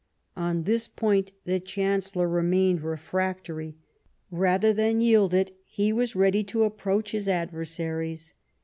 On this point the Chancellor remained refractory ; rather than yield it he was ready to approach his adversaries.